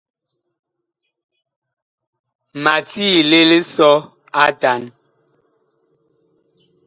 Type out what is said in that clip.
Ma tiile lisɔ a atan.